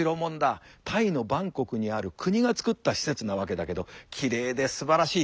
タイのバンコクにある国がつくった施設なわけだけどきれいですばらしい。